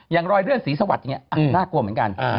รอยเลื่อนศรีสวัสดิ์อย่างนี้น่ากลัวเหมือนกัน